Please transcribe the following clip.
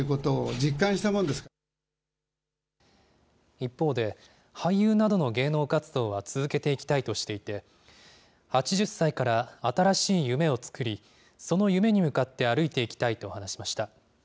一方で、俳優などの芸能活動は続けていきたいとしていて、８０歳から新しい夢を作り、その夢に向かって歩いていきたいと話しました。